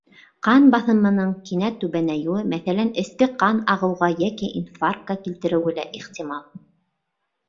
Ҡан баҫымының кинәт түбәнәйеүе, мәҫәлән, эске ҡан ағыуға йәки инфарктҡа килтереүе лә ихтимал.